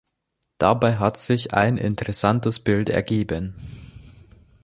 Dabei hat sich ein interessantes Bild ergeben.